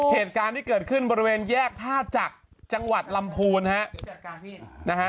เหตุการณ์ที่เกิดขึ้นบริเวณแยกท่าจักรจังหวัดลำพูนฮะนะฮะ